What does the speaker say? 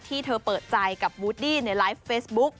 ที่เธอเปิดใจกับวูดดี้ในไลฟ์เฟซบุ๊ก